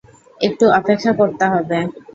একটু অপেক্ষা করতে হবে।